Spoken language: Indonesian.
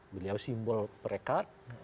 beliau simbol perekat